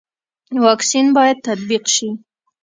واکسین باید تطبیق شي